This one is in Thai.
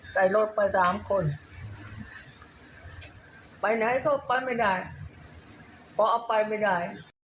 ใส่รถไป๓คนไปไหนพอไปไม่ได้พอเอาไปไม่ได้